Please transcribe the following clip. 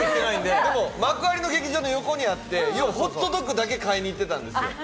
幕張の劇場の横にあって、ホットドックだけ買いに行っていたんですよ。